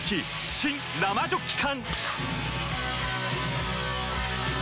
新・生ジョッキ缶！